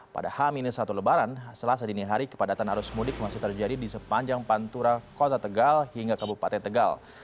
pada h satu lebaran selasa dini hari kepadatan arus mudik masih terjadi di sepanjang pantura kota tegal hingga kabupaten tegal